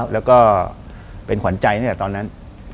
แล้วก็เป็นขวัญใจตั้งแต่ตอนนั้น